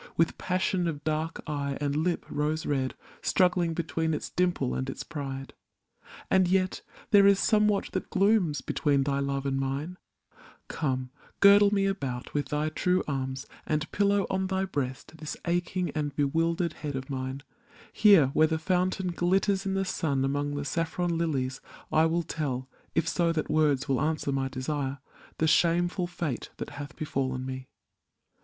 With passion of dark eye and lip rose red Struggling between its dimple and its pride. And yet there is somewhat that glooms between Thy love and mine; come, girdle me about With thy true arms, and pillow on thy breast This aching and bewildered head of mine; Here, where the fountain glitters in the sun Among the saffron lilies, I will tell — If so that words will answer my desire — The shameful fate that hath befallen me.